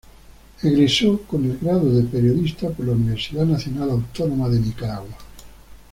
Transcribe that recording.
Egresó con el grado de Periodista por la Universidad Nacional Autónoma de Nicaragua.